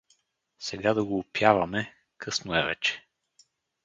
— Сега да го опяваме, късно е вече.